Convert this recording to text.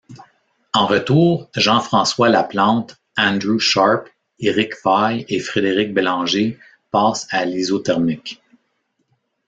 En retour, Jean-François Laplante, Andrew Sharp, Éric Faille et Frédéric Bélanger passent à l'Isothermic.